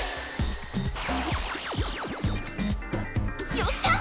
・よっしゃあ！